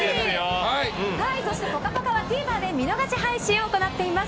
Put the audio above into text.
そして、「ぽかぽか」はＴＶｅｒで見逃し配信を行っています。